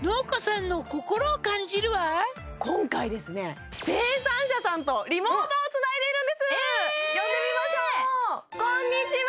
今回ですね生産者さんとリモートをつないでいるんです呼んでみましょうこんにちは！